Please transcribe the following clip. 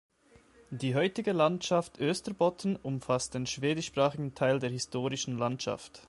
Die heutige Landschaft Österbotten umfasst den schwedischsprachigen Teil der historischen Landschaft.